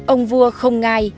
ông vua không ngai